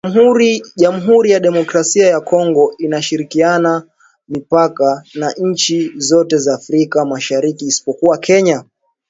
Jamuhuri ya Demokrasia ya Kongo inashirikiana mipaka na nchi zote za Afrika Mashariki isipokuwa Kenya